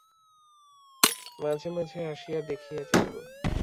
মাঝে মাঝে আসিয়া দেখিয়া যাইব।